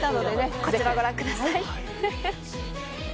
こちらをご覧ください。